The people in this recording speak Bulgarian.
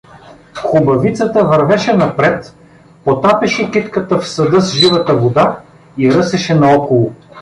Хубавицата вървеше напред, потапяше китката в съда с живата вода и ръсеше наоколо.